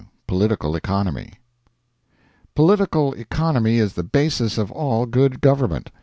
POLITICAL ECONOMY Political Economy is the basis of all good government.